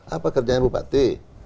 apa kerjanya bupati